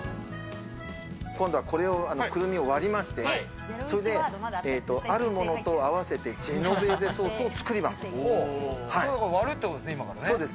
今度はこのくるみを割りまして、それで、あるものと合わせて、ジェノベーゼソースを作ります。